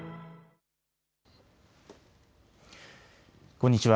こんにちは。